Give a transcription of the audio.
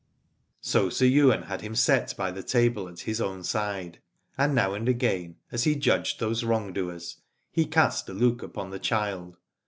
So Sir Ywain had him set by the table at his own side, and now and again as he judged those wrong doers, he cast a look upon the child.